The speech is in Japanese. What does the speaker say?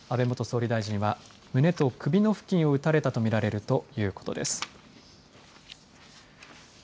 安倍元総理大臣は胸と首の付近を撃たれたとみられるということです。